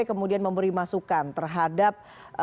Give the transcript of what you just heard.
kemudian memberi masukan terhadap